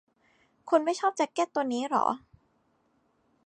คุณไม่ชอบแจ๊คเก็ตตัวนี้หรอ